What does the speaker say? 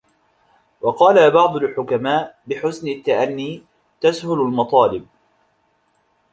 وَقَالَ بَعْضُ الْحُكَمَاءِ بِحُسْنِ التَّأَنِّي تَسْهُلُ الْمَطَالِبُ